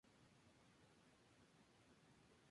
El combate tuvo lugar en este evento.